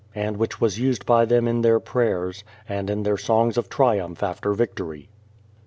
and which ^vas used by them in their prayers, and in their songs of triumph after victory.